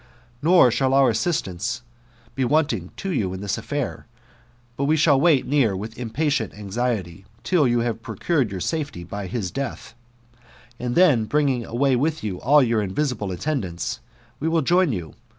Nor ^hall <>ut assistance be. wanting tq ybi) in this affair j but we dfiall tirait with impatient ahi^iety, till you have procured yotir owh safety by his death ; and then bringing away with you all your invisibte attendants, we Will }6in yoii